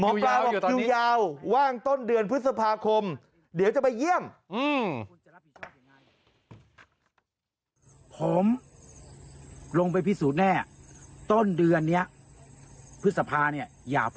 หมอปลาบอกคิวยาวว่างต้นเดือนพฤษภาคมเดี๋ยวจะไปเยี่ยม